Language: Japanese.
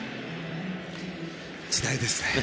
時代ですね。